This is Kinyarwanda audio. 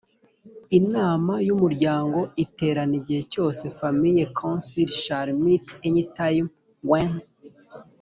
Inama y umuryango iterana igihe cyose Family council shall meet any time when